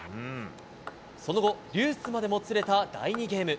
その後、ジュースまでもつれた第２ゲーム。